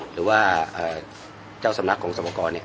หรือว่าเอ่อเจ้าสำนักของสวกรเนี่ย